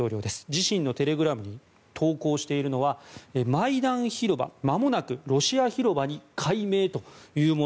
自身のテレグラムに投稿しているのはマイダン広場間もなくロシア広場に改名と。